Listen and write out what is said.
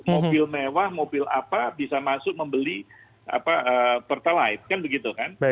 mobil mewah mobil apa bisa masuk membeli pertalite kan begitu kan